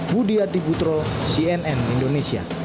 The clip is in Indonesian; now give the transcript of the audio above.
budi adibutro cnn indonesia